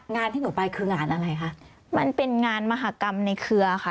ที่หนูไปคืองานอะไรคะมันเป็นงานมหากรรมในเครือค่ะ